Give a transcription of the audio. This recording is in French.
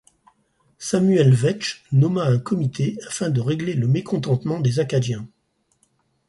Samuel Vetch nomma un comité afin de régler le mécontentement des Acadiens.